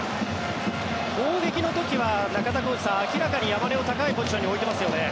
攻撃の時は、中田浩二さん明らかに山根を高いポジションに置いてますよね。